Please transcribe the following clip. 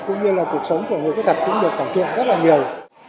cũng như là cuộc sống của người khuyết tật cũng được cải thiện rất là nhiều